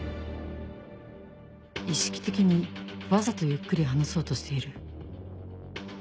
意識的にわざとゆっくり話そうとしている？